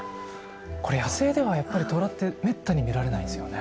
これ野生ではやっぱりトラってめったに見られないんですよね？